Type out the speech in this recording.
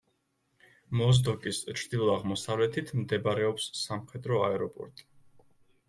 მოზდოკის ჩრდილო-აღმოსავლეთით მდებარეობს სამხედრო აეროპორტი.